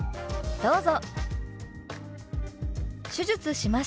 どうぞ！